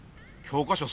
きょうか